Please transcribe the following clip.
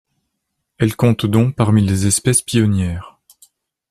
Elle compte donc parmi les espèces pionnières.